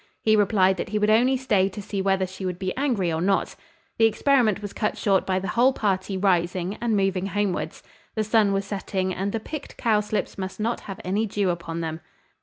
He replied, that he would only stay to see whether she would be angry or not. The experiment was cut short by the whole party rising, and moving homewards. The sun was setting, and the picked cowslips must not have any dew upon them.